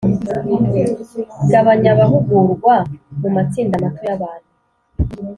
Gabanya abahugurwa mu matsinda mato y abantu